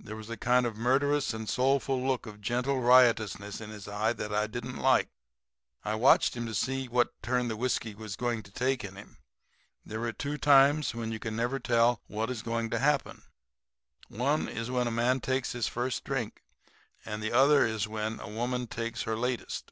There was a kind of murderous and soulful look of gentle riotousness in his eye that I didn't like. I watched him to see what turn the whiskey was going to take in him. There are two times when you never can tell what is going to happen. One is when a man takes his first drink; and the other is when a woman takes her latest.